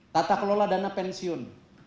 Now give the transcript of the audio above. tata kelola dana pensiun